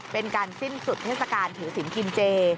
เป็นการสิ้นสุดเทศกาลถือศิลป์กินเจ